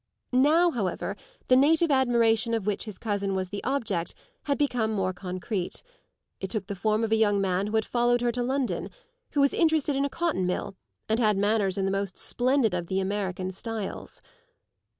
Now, however, the native admiration of which his cousin was the object had become more concrete; it took the form of a young man who had followed her to London, who was interested in a cotton mill and had manners in the most splendid of the American styles.